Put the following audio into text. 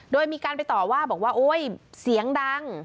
โดยมีการไปต่อว่าบอกว่าโอ๊ยเสียงดัง